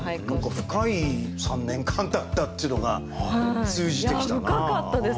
何か深い３年間だったっていうのが通じてきたな。